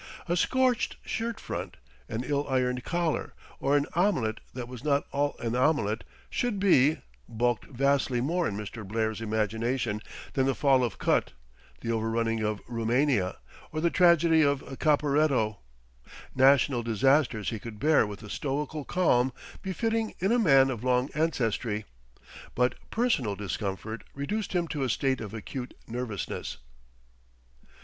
A scorched shirt front, an ill ironed collar, or an omelette that was not all an omelette should be, bulked vastly more in Mr. Blair's imagination than the fall of Kut, the over running of Roumania, or the tragedy of Caporetto. National disaster he could bear with a stoical calm befitting in a man of long ancestry; but personal discomfort reduced him to a state of acute nervousness.